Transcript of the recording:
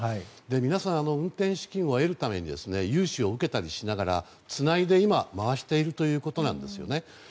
皆さん、運営資金を得るために融資を受けたりしながらつないで今、回しているということなんですよね。